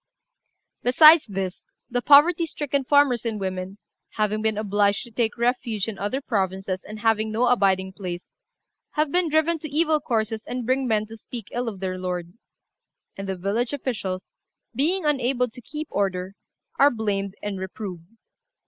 "Besides this, the poverty stricken farmers and women, having been obliged to take refuge in other provinces, and having no abiding place, have been driven to evil courses and bring men to speak ill of their lord; and the village officials, being unable to keep order, are blamed and reproved.